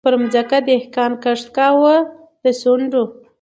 چي پر مځکه دهقان کښت کاوه د سونډو